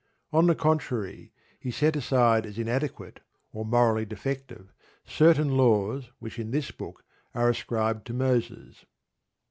On the contrary, he set aside as inadequate or morally defective, certain laws which in this book are ascribed to Moses.